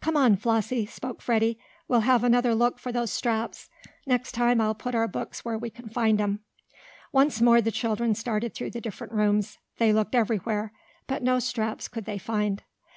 "Come on, Flossie," spoke Freddie. "We'll have another look for those straps. Next time I'll put our books where we can find 'em." Once more the children started through the different rooms. They looked everywhere. But no straps could they find.